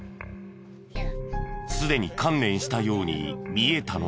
すでに観念したように見えたのだが。